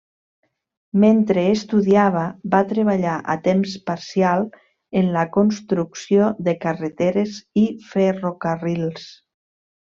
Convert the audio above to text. Mentre estudiava, va treballar a temps parcial en la construcció de carreteres i ferrocarrils.